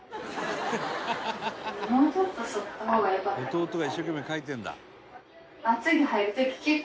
「弟が一生懸命書いてるんだ」